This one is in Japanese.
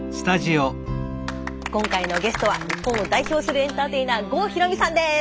今回のゲストは日本を代表するエンターテイナー郷ひろみさんです。